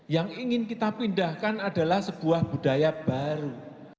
yang ingin kita pindahkan adalah sebuah budaya baru